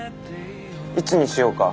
いつにしようか？